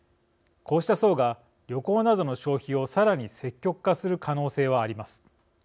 こうした層が旅行などの消費をさらに積極化する可能性はあります。